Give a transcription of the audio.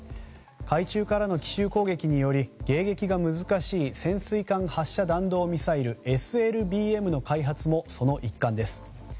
海中からの奇襲攻撃により迎撃が難しい潜水艦発射弾道ミサイル・ＳＬＢＭの開発もその一環です。